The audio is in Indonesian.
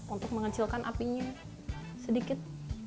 untuk mengencilkan apinya sedikit